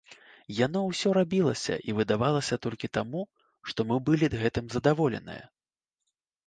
Яно ўсё рабілася і выдавалася толькі таму, што мы былі гэтым задаволеныя.